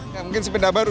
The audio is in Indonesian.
mungkin sepeda baru